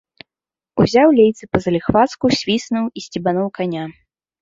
Узяў лейцы, па-заліхвацку свіснуў і сцебануў каня.